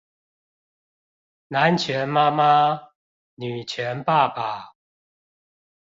南拳媽媽，女權爸爸